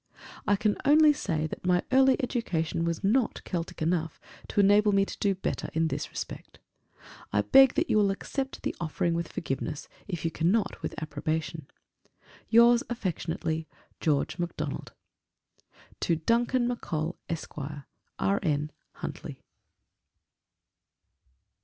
I can only say that my early education was not Celtic enough to enable me to do better in this respect. I beg that you will accept the offering with forgiveness, if you cannot with approbation. Yours affectionately, GEORGE MACDONALD. To DUNCAN MCCOLL, Esq., R.N., _Huntly.